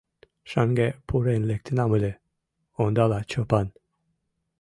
Шаҥге пурен лектынам ыле, — ондала Чопан.